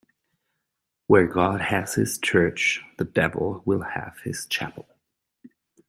Where God has his church, the devil will have his chapel.